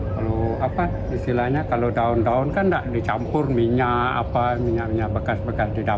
kalau apa istilahnya kalau daun daun kan nggak dicampur minyak apa minyak minyak bekas bekas di dapur